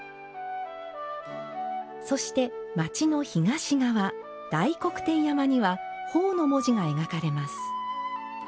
そして町の東側、大黒天山には「法」の文字が描かれます。